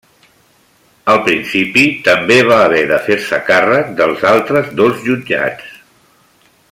Al principi també va haver de fer-se càrrec dels altres dos jutjats.